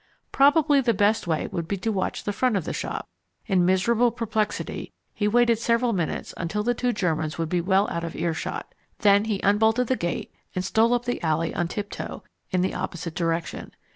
Probably the best way would be to watch the front of the shop. In miserable perplexity he waited several minutes until the two Germans would be well out of earshot. Then he unbolted the gate and stole up the alley on tiptoe, in the opposite direction.